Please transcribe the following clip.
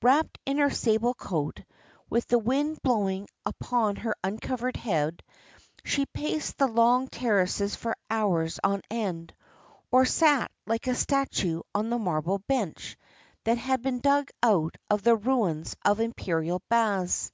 Wrapped in her sable coat, with the wind blowing upon her uncovered head, she paced the long terraces for hours on end, or sat like a statue on the marble bench that had been dug out of the ruins of imperial baths.